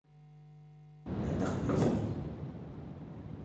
لا تقذفني.